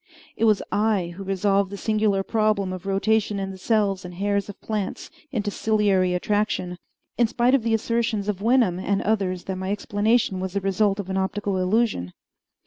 It was I who resolved the singular problem of rotation in the cells and hairs of plants into ciliary attraction, in spite of the assertions of Wenham and others that my explanation was the result of an optical illusion.